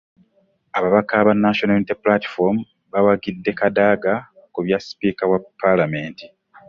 Ababaka ba National Unity Platform bawagidde Kadaga ku Kya sipiika wa Paalamenti